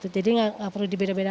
jadi nggak perlu dibedakan